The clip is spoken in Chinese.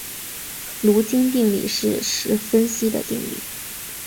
卢津定理是实分析的定理。